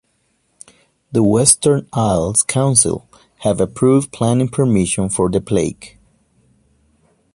The Western Isles Council have approved planning permission for the plaque.